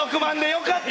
よかった！